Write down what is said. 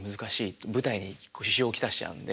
舞台に支障を来しちゃうんで。